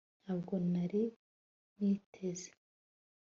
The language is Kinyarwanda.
ntabwo nari niteze